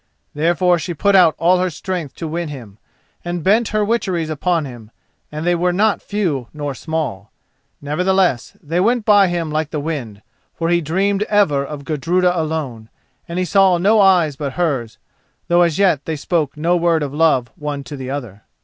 Therefore she put out all her strength to win him, and bent her witcheries upon him, and they were not few nor small. Nevertheless they went by him like the wind, for he dreamed ever of Gudruda alone, and he saw no eyes but hers, though as yet they spoke no word of love one to the other.